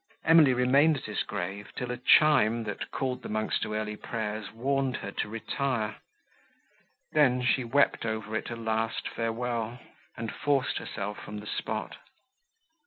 Emily remained at his grave, till a chime, that called the monks to early prayers, warned her to retire; then, she wept over it a last farewell, and forced herself from the spot.